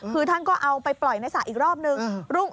คือท่านก็เอาไปปล่อยในสระอีกรอบนึง